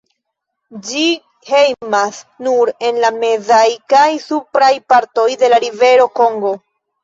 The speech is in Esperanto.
Ĝi hejmas nur en la mezaj kaj supraj partoj de la rivero Kongo.